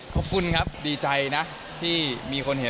ขอบคุณครับดีใจนะที่มีคนเห็น